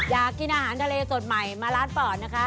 อยากกินอาหารทะเลสดใหม่มาร้านปอดนะคะ